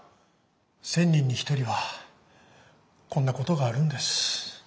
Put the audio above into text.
１，０００人に１人はこんなことがあるんです。